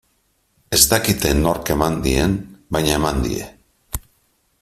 Ez dakite nork eman dien, baina eman die.